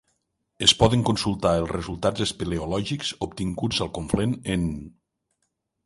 Es poden consultar els resultats espeleològics obtinguts al Conflent en: